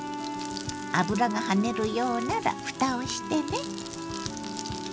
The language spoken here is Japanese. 油が跳ねるようならふたをしてね。